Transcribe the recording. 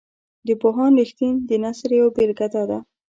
د پوهاند رښتین د نثر یوه بیلګه داده.